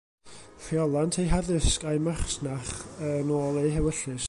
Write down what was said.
Rheolant eu haddysg a'u masnach yn ôl eu hewyllys.